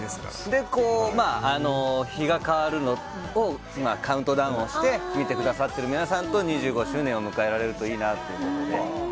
で、日が変わる時カウントダウンして見てくださっている皆さんと一緒に２５周年を迎えられるといいなと。